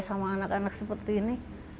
sama anak anak seperti ini